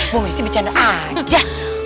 bumesi bicara aja